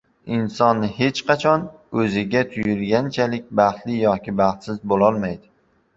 Inson hech qachon o‘ziga tuyulganchalik baxtli yoki baxtsiz bo‘lolmaydi.